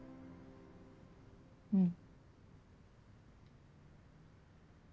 うん。